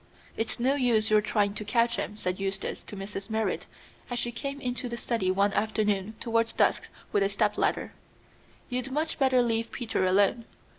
"It's no use your trying to catch him," said Eustace to Mrs. Merrit, as she came into the study one afternoon towards dusk with a step ladder. "You'd much better leave Peter alone.